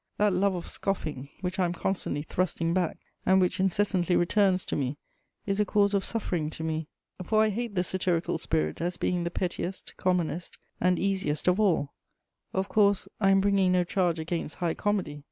That love of scoffing, which I am constantly thrusting back and which incessantly returns to me, is a cause of suffering to me; for I hate the satirical spirit as being the pettiest, commonest, and easiest of all: of course, I am bringing no charge against high comedy.